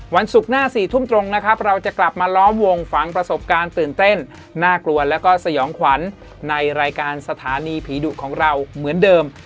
ศุกร์หน้า๔ทุ่มตรงนะครับเราจะกลับมาล้อมวงฝังประสบการณ์ตื่นเต้นน่ากลัวแล้วก็สยองขวัญในรายการสถานีผีดุของเราเหมือนเดิม